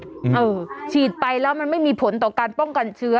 เออฉีดไปแล้วมันไม่มีผลต่อการป้องกันเชื้อ